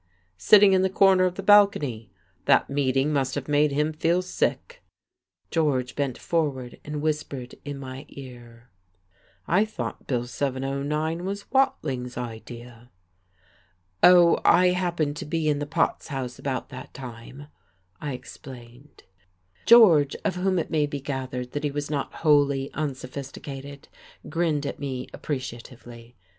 "Sitting in the corner of the balcony. That meeting must have made him feel sick." George bent forward and whispered in my ear: "I thought Bill 709 was Watling's idea." "Oh, I happened to be in the Potts House about that time," I explained. George, of whom it may be gathered that he was not wholly unsophisticated, grinned at me appreciatively.